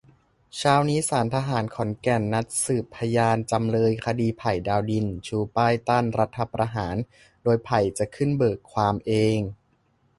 เช้านี้ศาลทหารขอนแก่นนัดสืบพยานจำเลย คดีไผ่ ดาวดิน ชูป้ายต้านรัฐประหาร โดยไผ่จะขึ้นเบิกความเอง